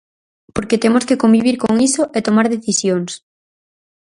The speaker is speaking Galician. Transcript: Porque temos que convivir con iso e tomar decisións.